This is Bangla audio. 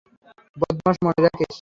বদমাশ, মনে রাখিস।